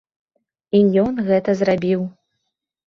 І ён гэта зрабіў.